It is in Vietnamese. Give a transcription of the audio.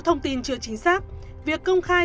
thông tin chưa chính xác việc công khai